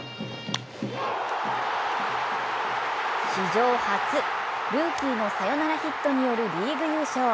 史上初、ルーキーのサヨナラヒットによるリーグ優勝。